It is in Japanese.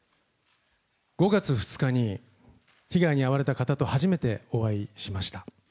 ５月２日に被害に遭われた方と初めてお会いしました。